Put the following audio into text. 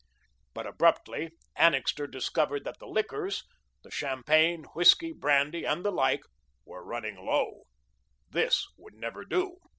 But, abruptly, Annixter discovered that the liquors the champagne, whiskey, brandy, and the like were running low. This would never do.